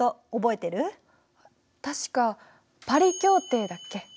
確かパリ協定だっけ？